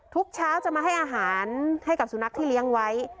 ทุกเช้าจะมาให้อาหารให้กับสุนัขที่เลี้ยงไว้